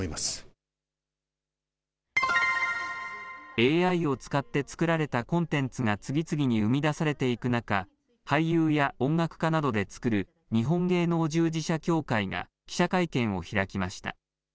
ＡＩを使って作られたコンテンツが次々に生み出されていく中、俳優や音楽家などで作る、日本芸能従事者協会が記者会見を開きました。